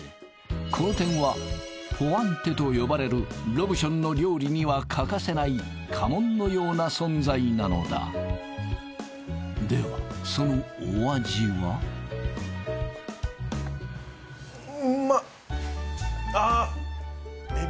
この点はポワンテと呼ばれるロブションの料理には欠かせない家紋のような存在なのだではそのお味はうっま！